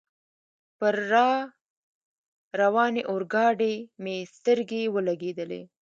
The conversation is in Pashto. پر را روانې اورګاډي مې سترګې ولګېدلې.